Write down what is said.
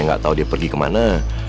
gak tau dia pergi kemana